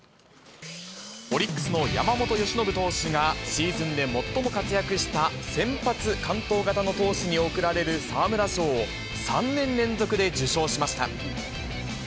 オリックスの山本由伸投手が、シーズンで最も活躍した先発完投型の投手に贈られる沢村賞を、３年連続で受賞しました。